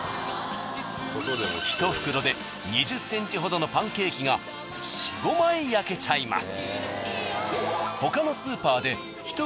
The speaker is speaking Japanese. １袋で２０ｃｍほどのパンケーキが４５枚焼けちゃいます。